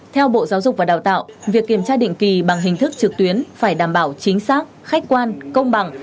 theo bộ giáo dục và đào tạo việc kiểm tra định kỳ bằng hình thức trực tuyến phải đảm bảo chính xác khách quan công bằng